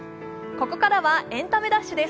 ここからは「エンタメダッシュ」です。